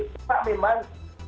di bawah koordinasi menko polhukam